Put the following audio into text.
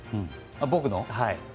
僕の？